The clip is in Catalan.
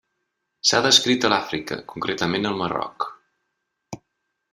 S'ha descrit a l'Àfrica, concretament al Marroc.